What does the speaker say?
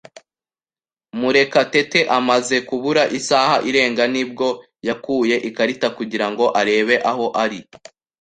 Murekatete amaze kubura isaha irenga nibwo yakuye ikarita kugirango arebe aho ari.